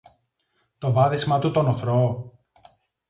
Το βάδισμα του το νωθρό;